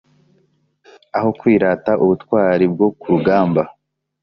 Aho kwirata ubutwari bwo ku rugamba